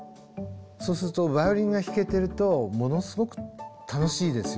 そうするとバイオリンが弾けてるとものすごく楽しいですよ。